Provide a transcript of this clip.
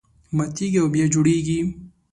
ماتېږي او بیا جوړېږي.